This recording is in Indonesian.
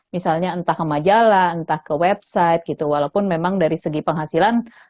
misalnya entah ke majalah entah ke website gitu walaupun memang dari segi penghasilan